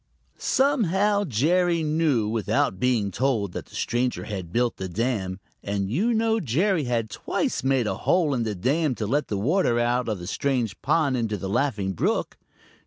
Somehow, Jerry knew without being told that the stranger had built the dam, and you know Jerry had twice made a hole in the dam to let the water out of the strange pond into the Laughing Brook.